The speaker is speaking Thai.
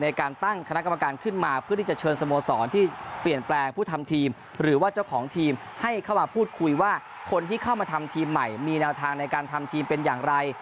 ในการตั้งคณะกรรมการขึ้นมาเพื่อที่จะเชิญสโมสรที่เปลี่ยนแปลงผู้ทำทีมหรือว่าเจ้าของทีมให้เข้ามาพูดคุยว่าคนที่เข้ามาทำทีมใหม่มีแนวทางในการทำทีมเป็นอย่างไร